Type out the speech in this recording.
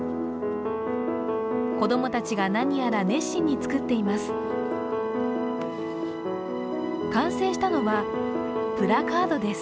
子供たちが何やら熱心に作っています。